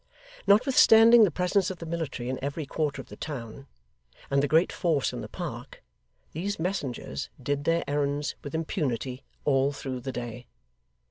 Notwithstanding the presence of the military in every quarter of the town, and the great force in the Park, these messengers did their errands with impunity all through the day.